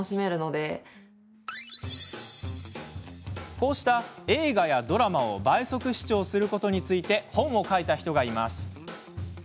こうした映画やドラマを倍速視聴することについて本を書いた人がいます。